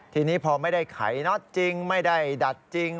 ทีนี้พอไม่ได้ไขน็อตจริงไม่ได้ดัดจริง